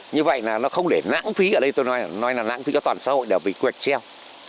như vậy là nó không để lãng phí ở đây tôi nói là lãng phí cho toàn xã hội đều bị quẹt treo